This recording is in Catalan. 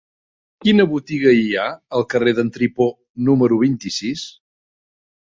Quina botiga hi ha al carrer d'en Tripó número vint-i-sis?